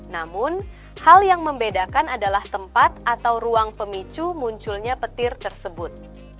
namun hal yang membedakan adalah tempat atau ruang pemicu munculnya petir tersebut